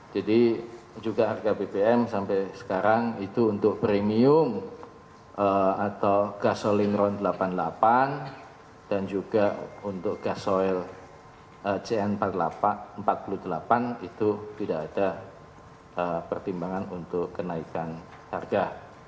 jadi juga harga bbm sampai sekarang itu untuk premium atau gasoling round delapan puluh delapan dan juga untuk gas soil cn empat puluh delapan itu tidak ada pertimbangan untuk kenaikan harga